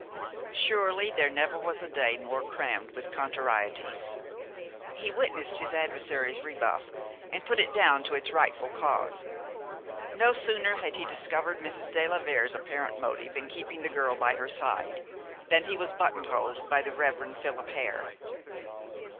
Surely there never was a day more crammed with contrarieties. He witnessed his adversary's rebuff, and put it down to its rightful cause. No sooner had he discovered Mrs. de la Vere's apparent motive in keeping the girl by her side, than he was buttonholed by the Rev. Philip Hare.